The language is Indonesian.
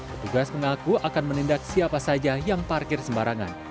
petugas mengaku akan menindak siapa saja yang parkir sembarangan